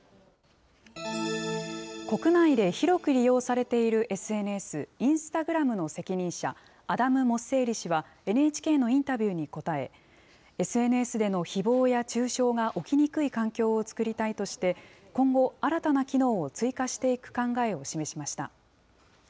国内で広く利用されているＳＮＳ、インスタグラムの責任者、アダム・モッセーリ氏は、ＮＨＫのインタビューに答え、ＳＮＳでのひぼうや中傷が起きにくい環境を作りたいとして、今後、新たな機能を追加していく考えを示しました。